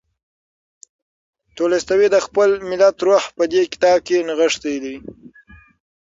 تولستوی د خپل ملت روح په دې کتاب کې نغښتی دی.